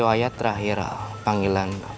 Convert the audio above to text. masa apa perang ini